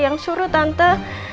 yang suruh tante